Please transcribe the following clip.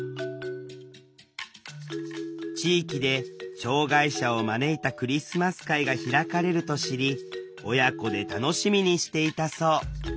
地域で障害者を招いたクリスマス会が開かれると知り親子で楽しみにしていたそう。